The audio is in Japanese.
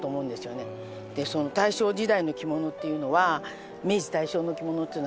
その大正時代の着物っていうのは明治大正の着物っていうのはね